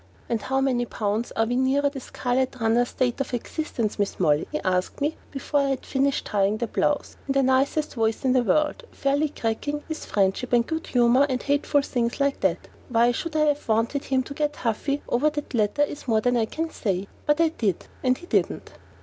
"And how many pounds are we nearer the scarlet runner state of existence, Mrs. Molly?" he asked me before I had finished tying the blouse, in the nicest voice in the world, fairly cracking with friendship and good humour and hateful things like that. Why I should have wanted him to get huffy over that letter is more than I can say. But I did; and he didn't.